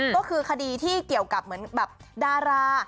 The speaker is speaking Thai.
ก็คือคดีที่เกี่ยวกับเหมือนแบบดารา